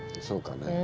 そうかね。